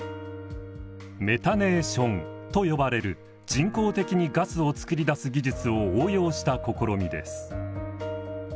メタネーションと呼ばれる人工的にガスをつくり出す技術を応用した試みです。